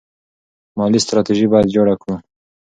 مالي ستراتیژي باید جوړه کړو.